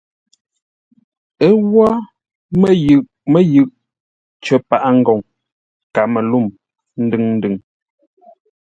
Ə́ wó mə́yʉʼ mə́yʉʼ cər paʼa ngoŋ Kamelûŋ, ndʉŋ-ndʉŋ.